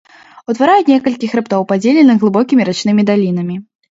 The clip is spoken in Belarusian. Утвараюць некалькі хрыбтоў, падзеленых глыбокімі рачнымі далінамі.